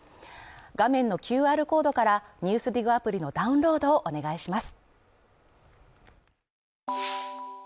画面のＱＲコードから、「ＮＥＷＳＤＩＧ」アプリのダウンロードをお願いします。